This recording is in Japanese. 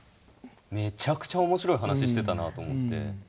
めちゃくちゃ面白い話してたなと思って。